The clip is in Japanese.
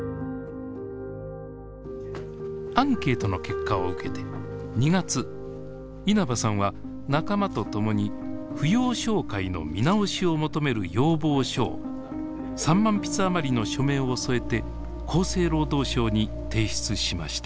アンケートの結果を受けて２月稲葉さんは仲間と共に扶養照会の見直しを求める要望書を３万筆あまりの署名を添えて厚生労働省に提出しました。